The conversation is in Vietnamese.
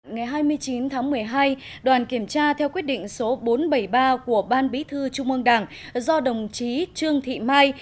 ngày hai mươi chín tháng một mươi hai đoàn kiểm tra theo quyết định số bốn trăm bảy mươi ba của ban bí thư trung ương đảng do đồng chí trương thị mai